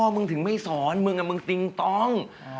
มึงถึงไม่สอนมึงตรง